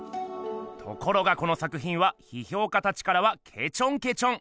ところがこの作ひんはひひょうかたちからはけちょんけちょん。